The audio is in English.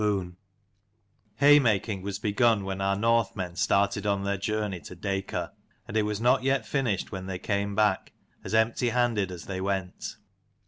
62 I AYMAKING was begun when CHAPTER I our Northmen started on XL THE [their journey to Dacor: and GIANT'S it was not yet finished when BOON. they came back, as empty handed as they went.